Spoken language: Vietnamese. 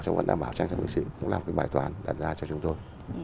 chúng ta đảm bảo trang trọng lực sĩ cũng làm cái bài toán đặt ra cho chúng tôi